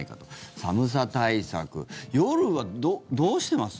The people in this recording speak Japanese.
寒さ対策、夜はどうしてます？